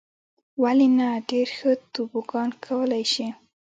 ولې نه. ډېر ښه توبوګان کولای شې.